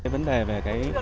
vấn đề về cái